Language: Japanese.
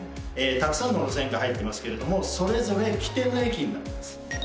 たくさんの路線が入ってますけどそれぞれ起点の駅になってます。